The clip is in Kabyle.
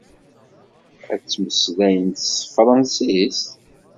Ad ttmeslayent s tefṛansist?